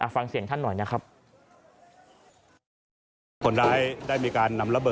ฟังเสียงท่านหน่อยนะครับ